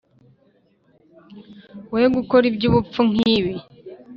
we gukora iby’ubupfu nk’ibi.